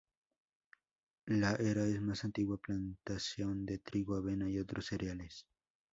La era es una antigua plantación de trigo, avena y otros cereales.